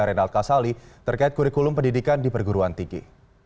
renald kasali terkait kurikulum pendidikan di perguruan tinggi